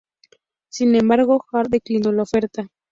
Sin embargo, Hart declinó la oferta.